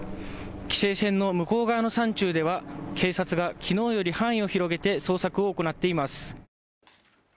規制線の向こう側の山中では警察がきのうより範囲を広げて捜索を行っています。